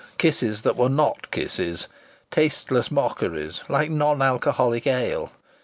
Kisses that were not kisses! Tasteless mockeries, like non alcoholic ale!